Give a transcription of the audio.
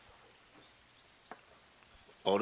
あれ？